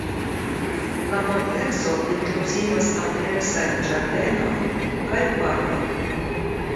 La komplekso inkluzivas ampleksajn ĝardenojn kaj parkon.